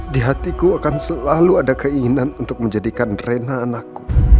di hatiku akan selalu ada keinginan untuk menjadikan drena anakku